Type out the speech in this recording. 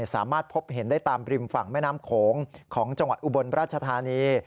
สามารถพบเห็นได้ตามริมฝั่งแม่น้ำโขงของจังหวัดอุบลราชธานี